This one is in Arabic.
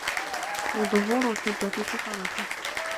أَوْ ظُهُورُ الْحُجَّةِ فِي صَلَاحِهِ